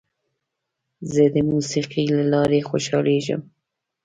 زه د موسیقۍ له لارې خوشحالېږم.